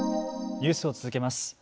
ニュースを続けます。